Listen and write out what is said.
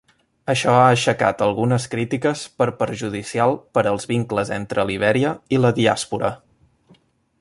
Això ha aixecat algunes crítiques per perjudicial per als vincles entre Libèria i la diàspora.